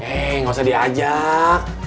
eh gak usah diajak